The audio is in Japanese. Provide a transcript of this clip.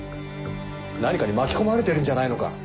何かに巻き込まれてるんじゃないのか？